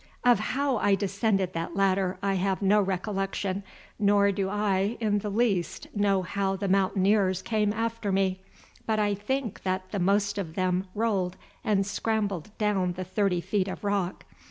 Of how I descended that ladder I have no recollection, nor do I in the least know how the Mountaineers came after me, but I think that the most of them rolled and scrambled down the thirty feet of rock.